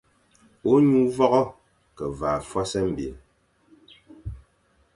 Ônyu vogho ke vaʼa fwas mbil.